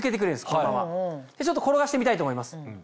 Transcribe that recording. このままちょっと転がしてみたいと思います。